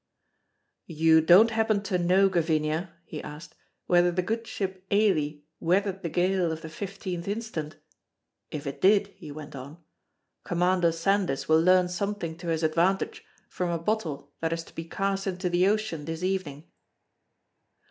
"You don't happen to know, Gavinia," he asked, "whether the good ship Ailie weathered the gale of the 15th instant? If it did," he went on, "Commander Sandys will learn something to his advantage from a bottle that is to be cast into the ocean this evening."